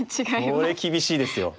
これ厳しいですよ。